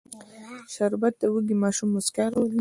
شربت د وږي ماشوم موسکا راولي